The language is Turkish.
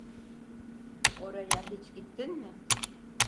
Oraya hiç gittin mi?